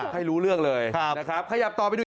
ให้รู้เรื่องเลยนะครับ